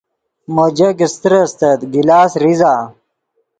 مو جگ استر استت گلاس ریزہ